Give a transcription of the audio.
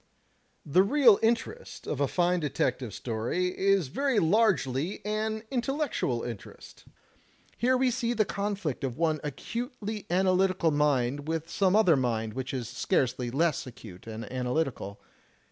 "The real interest of a fine detective story is very largely an intellectual interest. Here we see the conflict of one acutely analytical mind with some other mind which is scarcely less acute and analytical.